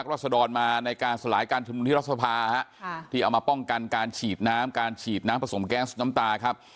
รัศดรมาในการสลายการชุมนุมที่รัฐสภาที่เอามาป้องกันการฉีดน้ำการฉีดน้ำผสมแก๊สน้ำตาครับ